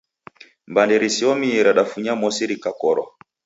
Mbande riseomie radafunya mosi rikakorwa.